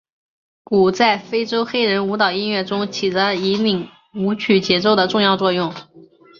鼓在非洲黑人舞蹈音乐中起着引领舞曲节奏的重要作用。